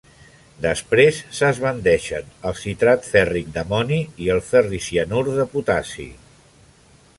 Després, s'esbandeixen el citrat fèrric d'amoni i el ferricianur de potassi.